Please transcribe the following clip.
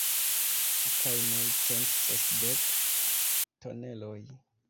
Kaj naŭcent sesdek toneloj.